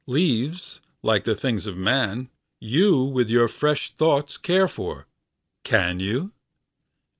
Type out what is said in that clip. Leáves, líke the things of man, youWith your fresh thoughts care for, can you?